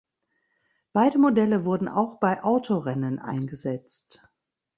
Beide Modelle wurden auch bei Autorennen eingesetzt.